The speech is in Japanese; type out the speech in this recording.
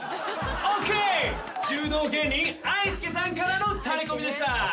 柔道芸人あいすけさんからのタレコミでした。